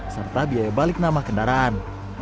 serta biaya balik nama kendaraan